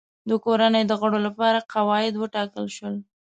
د کورنۍ د غړو لپاره قواعد وټاکل شول.